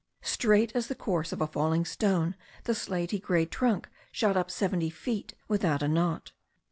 Straight as the course of a falling stone the slaty grey trunk shot up seventy feet without a knot.